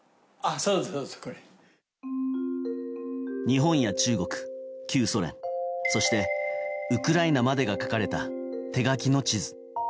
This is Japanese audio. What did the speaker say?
日本や中国、旧ソ連そしてウクライナまでが描かれた手描きの地図。